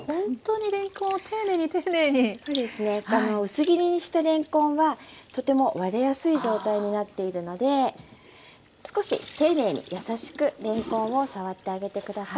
薄切りにしたれんこんはとても割れやすい状態になっているので少し丁寧に優しくれんこんを触ってあげて下さい。